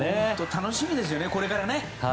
楽しみですよねこれから。